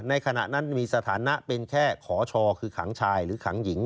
ขณะนั้นมีสถานะเป็นแค่ขอชอคือขังชายหรือขังหญิง